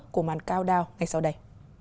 cao đao ngay sau đây